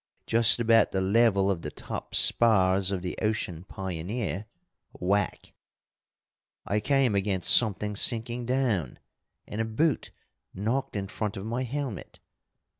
Just about the level of the top spars of the Ocean Pioneer, whack! I came against something sinking down, and a boot knocked in front of my helmet.